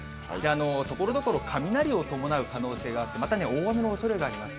ところどころ、雷を伴う可能性があって、またね、大雨のおそれがあります。